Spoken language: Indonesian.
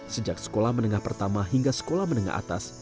sejak sekolah menengah pertama hingga sekolah menengah atas